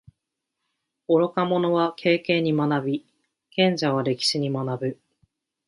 愚か者は経験に学び，賢者は歴史に学ぶ。